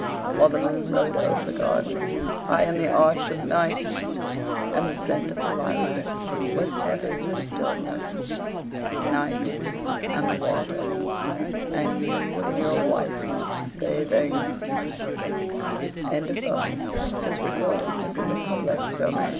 While the moon rode over the garden, High in the arch of night, And the scent of the lilacs was heavy with stillness. Night, and the water, and you in your whiteness, bathing! A Tulip Garden Guarded within the old red wall's embr